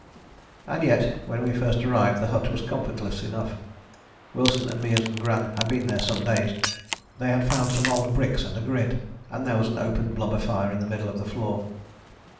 And yet when we first arrived the hut was comfortless enough. Wilson and Meares and Gran had been there some days; they had found some old bricks and a grid, and there was an open blubber fire in the middle of the floor.